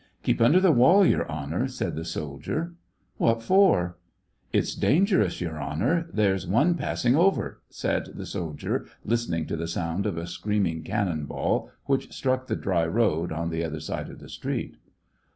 " Keep under the wall. Your Honor," said the soldier. *' What for }"*' It's dangerous, Your Honor ; there's one pass ing over," said the soldier, listening to the sound of a screaming cannon ball, which struck the dry road, on the other side of the street.